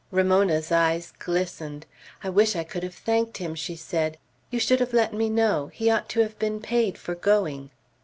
Ramona's eyes glistened. "I wish I could have thanked him," she said. "You should have let me know. He ought to have been paid for going."